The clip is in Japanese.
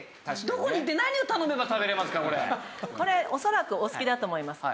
これ恐らくお好きだと思います。